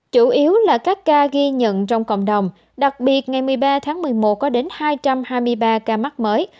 chủ yếu là các ca ghi nhận trong cộng đồng đặc biệt ngày một mươi ba tháng một mươi một có đến hai trăm hai mươi ba ca mắc mới